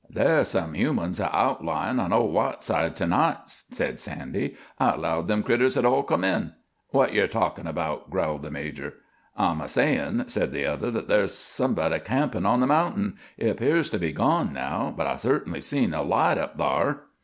"There's some humans a outlyin' on old Whiteside to night," said Sandy. "I 'lowed them critters had all come in." "What yer talkin' 'bout?" growled the major. "I'm a sayin'," said the other, "that there's somebody campin' on the mountain. It 'pears to be gone now, but I certainly seen a light up thar."